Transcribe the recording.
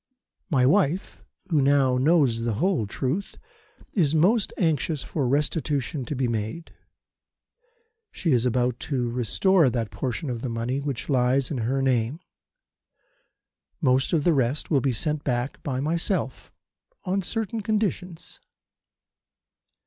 "My wife, who now knows the whole truth, is most anxious for restitution to be made. She is about to restore that portion of the money which lies in her name. Most of the rest will be sent back by myself, on certain conditions.